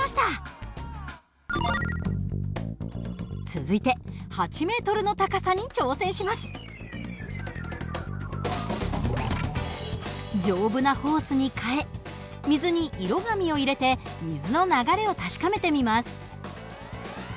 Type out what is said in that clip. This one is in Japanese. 続いて丈夫なホースに替え水に色紙を入れて水の流れを確かめてみます。